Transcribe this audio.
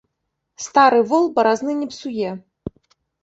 Стары вол баразны не псуе.